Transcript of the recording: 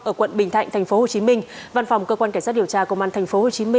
ở quận bình thạnh tp hcm văn phòng cơ quan cảnh sát điều tra công an tp hcm